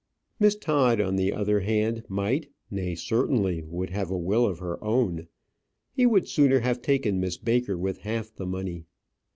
Miss Todd, on the other hand, might, nay, certainly would have a will of her own. He would sooner have taken Miss Baker with half the money.